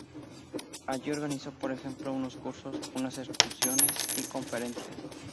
Allí organizó por ejemplo unos cursos, unas excursiones y conferencias.